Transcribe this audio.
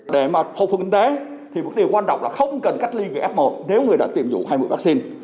để mà khôi phục kinh tế thì một điều quan trọng là không cần cách ly người f một nếu người đã tiêm dụng hai mươi vắc xin